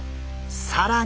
更に！